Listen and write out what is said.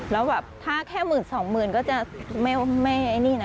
แล้วแบบถ้าแค่หมื่นสองหมื่นก็จะไม่ไอ้นี่นะ